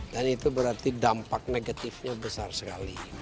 dan itu berarti dampak negatifnya besar sekali